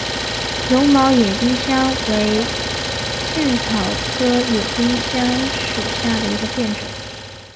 绒毛野丁香为茜草科野丁香属下的一个变种。